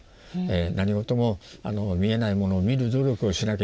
何事も見えないものを見る努力をしなきゃいけないという。